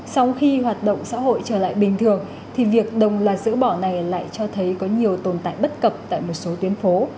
sau khi hoạt động xã hội trở lại bình thường thì việc đồng loạt giữ bỏ này lại cho thấy có nhiều tồn tại bất cập tại một số tuyến phố